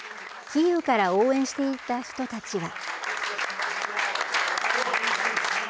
キーウから応援していた人たちは。